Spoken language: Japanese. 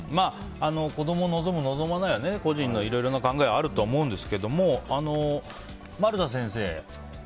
子供を望む、望まないは個人のいろいろな考えがあると思うんですけども丸田先生